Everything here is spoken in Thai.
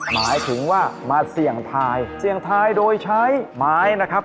หมายถึงว่ามาเสี่ยงทายเสี่ยงทายโดยใช้ไม้นะครับ